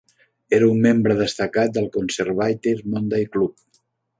Era un membre destacat del Conservative Monday Club.